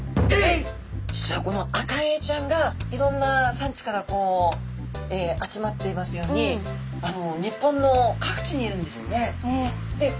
実はこのアカエイちゃんがいろんな産地から集まっていますように日本の各地にいるんですね。